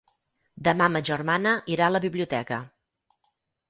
Demà ma germana irà a la biblioteca.